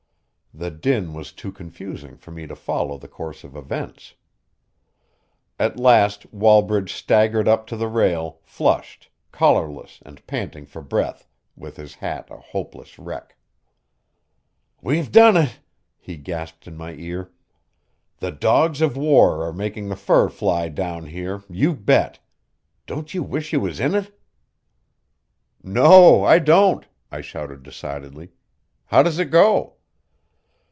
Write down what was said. The din was too confusing for me to follow the course of events. At last Wallbridge staggered up to the rail, flushed, collarless and panting for breath, with his hat a hopeless wreck. "We've done it!" he gasped in my ear. "The dogs of war are making the fur fly down here, you bet! Don't you wish you was in it?" "No, I don't!" I shouted decidedly. "How does it go?"